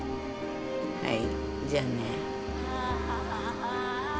はいじゃあね。